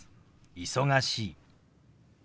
「忙しい」。